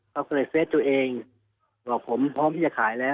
เขาก็เลยเฟสตัวเองบอกผมพร้อมที่จะขายแล้ว